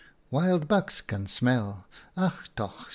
Wild bucks can smell — ach toch